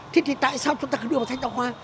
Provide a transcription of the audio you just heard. thì tại sao chúng ta không đưa vào thanh tạo hoa